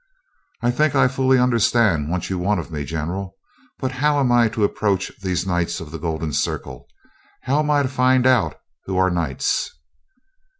"I think I fully understand what you want of me, General, but how am I to approach these Knights of the Golden Circle? How am I to find out who are Knights?"